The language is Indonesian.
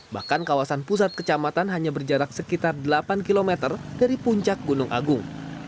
bahkan kawasan pusat kecamatan hanya berjarak sekitar delapan km dari puncak gunung agung